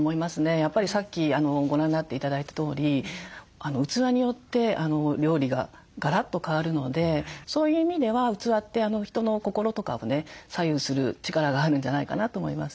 やっぱりさっきご覧になって頂いたとおり器によって料理がガラッと変わるのでそういう意味では器って人の心とかをね左右する力があるんじゃないかなと思います。